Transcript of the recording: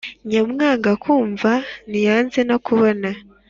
Nyamwanga kumva ntiyanze no kubona